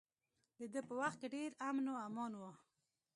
د ده په وخت کې ډیر امن و امان و.